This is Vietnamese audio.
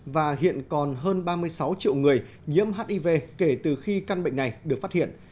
và hiện còn hơn ba mươi sáu triệu người nhiễm hiv kể từ khi căn bệnh này được phát hiện